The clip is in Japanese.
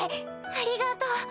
ありがとう。